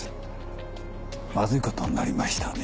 まずいことになりましたね。